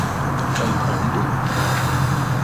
Honrando?